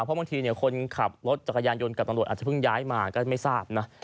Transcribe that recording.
เพราะบางทีคนขับรถจักรยานยนต์กับตำรวจอาจจะเพิ่งย้ายมาก็ไม่ทราบนะ